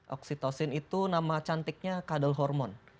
oksitosin itu nama cantiknya kadel hormon